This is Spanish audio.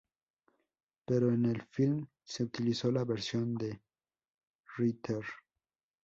Pero en el film se utilizó la versión de Ritter.